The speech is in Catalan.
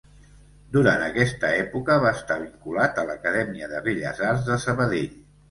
Durant aquesta època va estar vinculat a l’Acadèmia de Belles Arts de Sabadell.